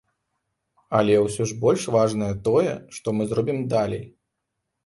Але ўсё ж больш важнае тое, што мы зробім далей.